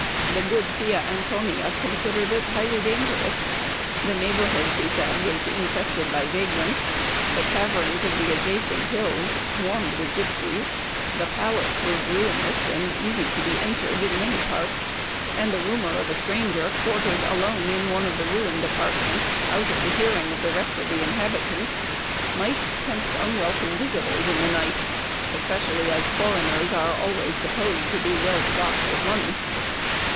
The good Fia An tonia considered it highly dangerous. The neighborhood, she said, was infested by vagrants ; the caverns of the adjacent hills swarmed with gipsies ; the palace was ruinous, and easy to be entered in many parts ; and the rumor of a stranger quartered alone in one of the ruined apartments, out of the hearing of the rest of the inhabitants, might tempt unwelcome visitors in the night, especially as foreigners are always supposed to be well stocked with money.